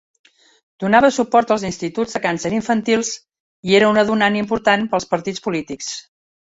Donava suport als instituts de càncer infantils i era una donant important per als partits polítics.